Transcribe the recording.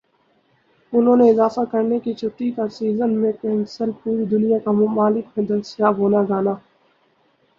انہوں نے اضافہ کرنا کہ چھٹی کا سیزن میں کنسول پوری دنیا کا ممالک میں دستیاب ہونا گانا